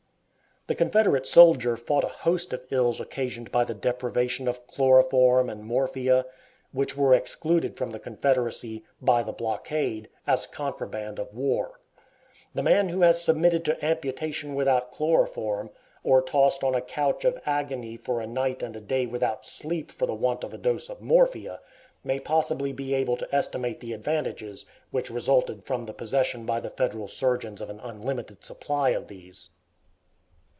The Confederate soldier fought a host of ills occasioned by the deprivation of chloroform and morphia, which were excluded from the Confederacy, by the blockade, as contraband of war. The man who has submitted to amputation without chloroform, or tossed on a couch of agony for a night and a day without sleep for the want of a dose of morphia, may possibly be able to estimate the advantages which resulted from the possession by the Federal surgeons of an unlimited supply of these.